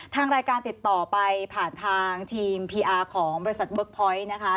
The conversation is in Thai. ทางรายการติดต่อไปผ่านทางทีมพีอาร์ของบริษัทเวิร์กพอยต์นะคะ